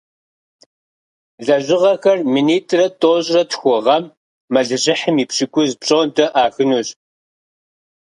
Лэжьыгъэхэр минитӏрэ тӏощӏрэ тху гъэм мэлыжьыхьым и пщыкӀуз пщӀондэ Ӏахынущ.